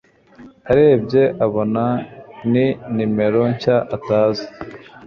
arebye abona ni nimero nshya atazi